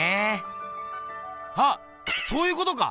あっそういうことか！